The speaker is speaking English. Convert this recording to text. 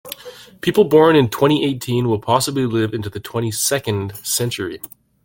People born in twenty-eighteen will possibly live into the twenty-second century.